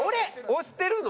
推してるの？